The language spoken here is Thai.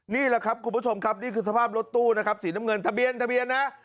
นี่แหละครับคุณผู้ชมครับนี่คือสภาพรถตู้นะครับสีน้ำเงินทะเบียนทะเบียนนะ